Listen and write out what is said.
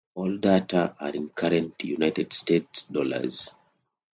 All data are in current United States dollars.